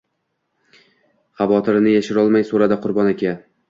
Xavotirini yashirolmay so‘radi Qurbon aka.